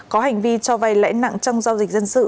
có hành vi cho vay lãi nặng trong giao dịch dân sự